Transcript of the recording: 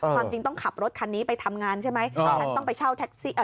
ความจริงต้องขับรถคันนี้ไปทำงานใช่ไหม